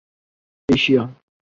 Asia